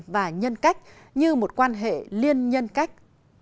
và nhân cách như một quan hệ liên nhân cách